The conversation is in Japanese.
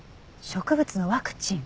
植物のワクチン。